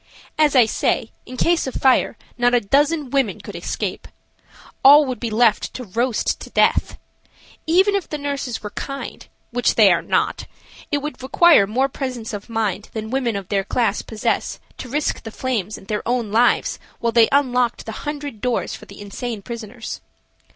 As I say, in case of fire, not a dozen women could escape. All would be left to roast to death. Even if the nurses were kind, which they are not, it would require more presence of mind than women of their class possess to risk the flames and their own lives while they unlocked the hundred doors for the insane prisoners.